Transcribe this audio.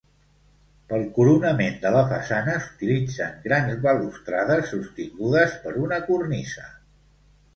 Pel coronament de la façana s'utilitzen grans balustrades sostingudes per una cornisa.